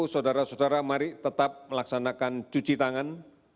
saudara saudara mari tetap melaksanakan cuci tangan